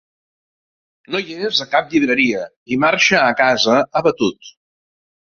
No hi és a cap llibreria i marxa a casa abatut.